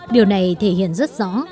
điều này thể hiện rất rõ